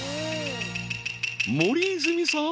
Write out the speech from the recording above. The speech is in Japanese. ［森泉さん。